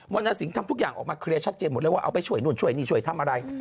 รณสิงห์ทำทุกอย่างออกมาเคลียร์ชัดเจนหมดเลยว่าเอาไปช่วยนู่นช่วยนี่ช่วยทำอะไร